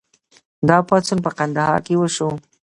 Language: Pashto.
دا پاڅون په کندهار کې وشو.